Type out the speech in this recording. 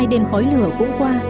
một mươi hai đêm khói lửa cũng qua